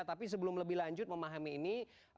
tapi sebelum lebih lanjut memahami ini